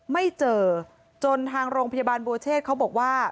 ไม่เจอจนทางโรงพยาบาลบัวเชษเขาบอกว่า